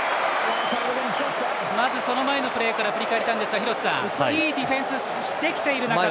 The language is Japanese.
まず、その前のプレーから振り返りたいんですが廣瀬さん、いいディフェンスできている中で。